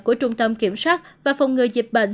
của trung tâm kiểm soát và phòng ngừa dịch bệnh